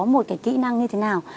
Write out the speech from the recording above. một cái kỹ năng như thế nào